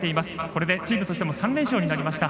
これでチームとしても３連勝になりました。